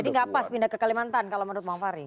jadi gak pas pindah ke kalimantan kalau menurut pak om fahri